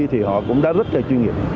thì họ cũng đã rất là chuyên nghiệp